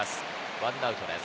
１アウトです。